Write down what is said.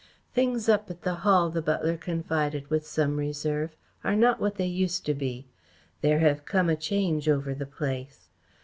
"Things up at the Hall," the butler confided, with some reserve, "are not what they used to be. There have come a change over the place."